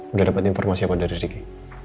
udah dapet informasi apa dari riki